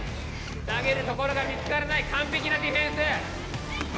投げるところが見つからないかんぺきなディフェンス！